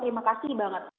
terima kasih banget